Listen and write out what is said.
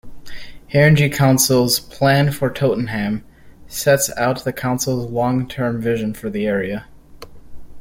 Haringey Council's 'Plan for Tottenham' sets out the Council's long-term vision for the area.